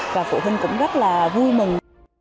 và phụ huynh cũng rất là vui mừng